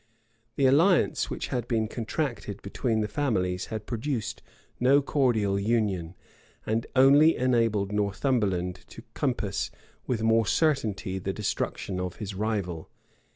The alliance which had been contracted between the families had produced no cordial union, and only enabled Northumberland to compass with more certainty the destruction of his rival.